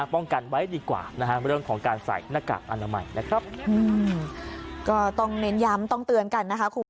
ป้องกันไว้ดีกว่าในเรื่องของการใส่หน้ากากอนามัย